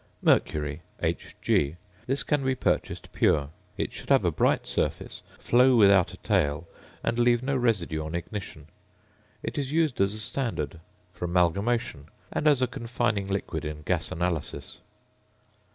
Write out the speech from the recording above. ~Mercury~, Hg. This can be purchased pure. It should have a bright surface, flow without a tail, and leave no residue on ignition. It is used as a standard; for amalgamation; and as a confining liquid in gas analysis.